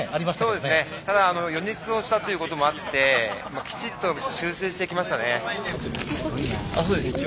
ただ予熱をしたということもあってきちっと修正してきましたね。